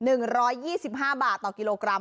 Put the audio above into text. หมูเนื้อแดงวันนี้อยู่ที่๑๒๕บาทต่อกิโลกรัม